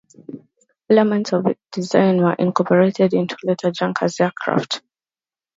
Elements of its design were incorporated into later Junkers aircraft.